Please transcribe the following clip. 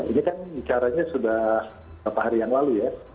ini kan bicaranya sudah beberapa hari yang lalu ya